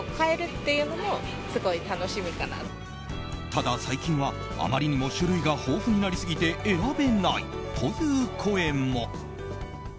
ただ、最近はあまりにも種類が豊富になりすぎて選べないという声も。